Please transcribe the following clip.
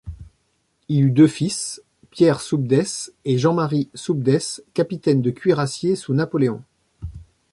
Il eut deux fils, Pierre Soubdès et Jean-Marie Soubdès, capitaine de cuirassiers sous Napoléon.